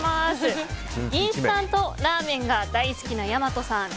インスタントラーメンが大好きな大和さん。